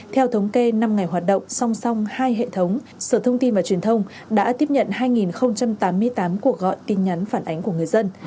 theo thống kê năm ngày hoạt động song song hai hệ thống sở thông tin và truyền thông đã tiếp nhận hai tám mươi tám cuộc gọi tin nhắn phản ánh của người dân